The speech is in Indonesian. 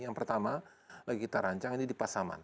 yang pertama lagi kita rancang ini di pasaman